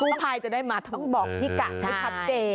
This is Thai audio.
กู้ไพ่จะได้มาต้องบอกที่กะไม่ชัดเจน